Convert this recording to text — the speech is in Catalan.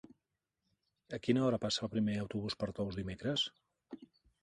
A quina hora passa el primer autobús per Tous dimecres?